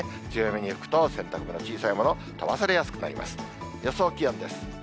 強めに吹くと洗濯物の小さいもの、飛ばされやすくなります。